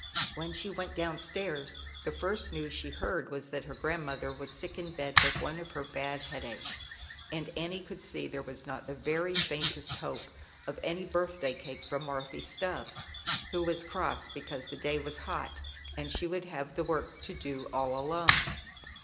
When she went down stairs, the first news she heard was, that her grand v mother was sick in bed with one of her D^d headaches, and Annie could see there not the very faintest hope of any thday cake from Marthy Stubbs, who cross because the day was hot and uld have the work to do all alone.